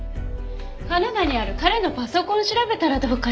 カナダにある彼のパソコンを調べたらどうかしら？